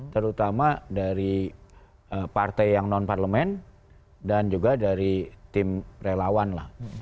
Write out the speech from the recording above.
terutama dari partai yang non parlemen dan juga dari tim relawan lah